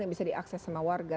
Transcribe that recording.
yang bisa diakses sama warga